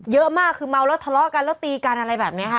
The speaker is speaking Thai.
เยอะมากคือเมาแล้วทะเลาะกันแล้วตีกันอะไรแบบนี้ค่ะ